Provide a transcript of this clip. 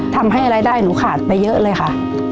ทำให้รายได้หนูขาดไปเยอะเลยค่ะ